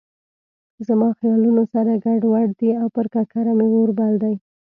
زما خیالونه سره ګډ وډ دي او پر ککره مې اور بل دی.